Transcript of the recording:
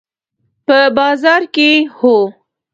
په بازار کې، هو